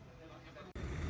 ini dari mana